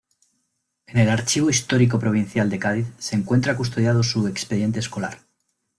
En el Archivo Histórico Provincial de Cádiz se encuentra custodiado su expediente escolar.